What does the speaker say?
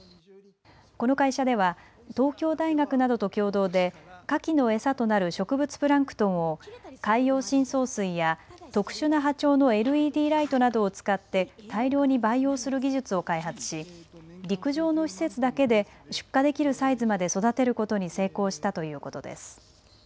この会社では東京大学などと共同でかきの餌となる植物プランクトンを海洋深層水や特殊な波長のＬＥＤライトなどを使って大量に培養する技術を開発し陸上の施設だけで出荷できるサイズまで育てることに成功したということです。